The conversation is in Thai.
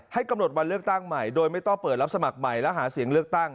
กำหนดวันเลือกตั้งใหม่โดยไม่ต้องเปิดรับสมัครใหม่และหาเสียงเลือกตั้ง